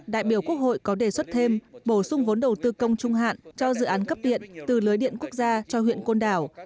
đại biểu quốc hội có đề xuất thêm bổ sung vốn đầu tư công trung hạn cho dự án cấp điện từ lưới điện quốc gia cho huyện côn đảo